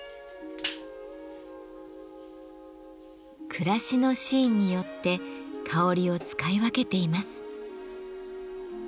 暮らしのシーンによって香りを使い分けています。